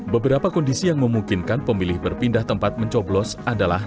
beberapa kondisi yang memungkinkan pemilih berpindah tempat mencoblos adalah